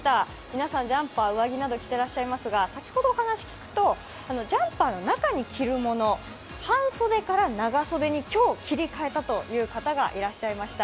皆さん、ジャンプ、上着など着ていらっしゃいますが、お話を聞くと、ジャンパーの中に着るものを半袖から長袖に今日切り替えたという方がいらっしゃいました。